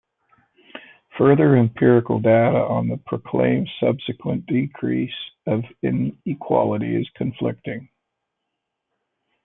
Further, empirical data on the proclaimed subsequent decrease of inequality is conflicting.